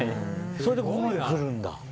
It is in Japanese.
それでここまで来るんだ。